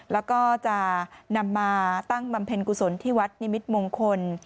แล้วก็จะนำมาตั้งบำเพ็ญกุศลที่วัดนิมิตมงคล